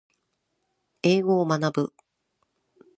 英語を学ぶ